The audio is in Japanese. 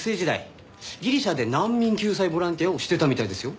ギリシャで難民救済ボランティアをしてたみたいですよ。